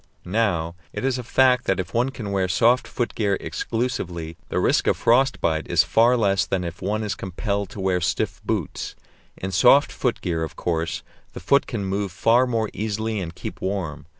Now, it is a fact that if one can wear soft foot gear exclusively the risk of frost bite is far less than if one is compelled to wear stiff boots; in soft foot gear, of course, the foot can move far more easily and keep warm.